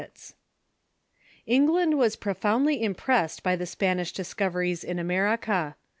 ] England was profoundly impressed by the Spanish discov eries in America.